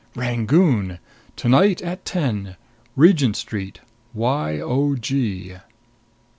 "RANGOON: To night at ten. Regent Street. Y.O.G."